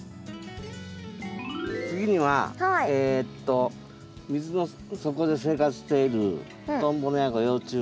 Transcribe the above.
次にはえと水の底で生活しているトンボのヤゴ幼虫